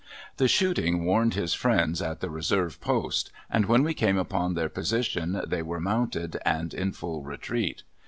The shooting warned his friends at the reserve post, and when we came upon their position they were mounted and in full retreat.